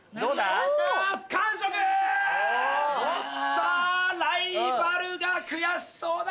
さぁライバルが悔しそうだ。